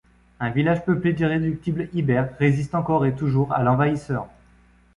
Un village peuplé d'irréductibles Ibères résiste encore et toujours à l'envahisseur.